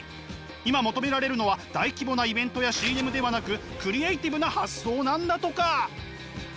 今求められるのは大規模なイベントやＣＭではなくクリエーティブな発想なんだとか！